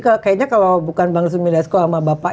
kayaknya kalau bukan bang zumi dasko sama bapak